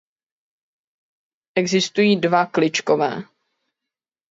Existují dva Kličkové.